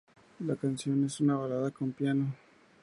La canción es una balada con piano.